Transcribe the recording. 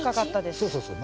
そうそうそう。